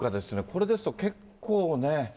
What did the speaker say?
これですと、結構ね。